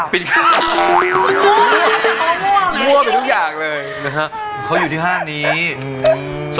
ปินก้าว